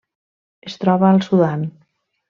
Es troba al Sudan.